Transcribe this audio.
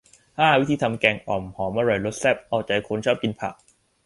ห้า วิธีทำแกงอ่อม หอมอร่อยรสแซ่บเอาใจคนชอบกินผัก